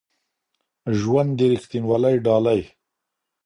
ژوند د ریښتینولۍ ډالۍ